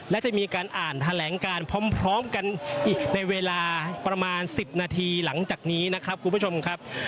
และจะมีการอ่านแถลงการพร้อมกันอีกในเวลาประมาณ๑๐นาทีหลังจากนี้นะครับคุณผู้ชมครับ